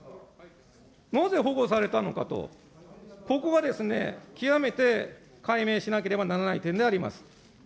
なぜほごされたのかと、ここはですね、極めて解明しなければならない点であります。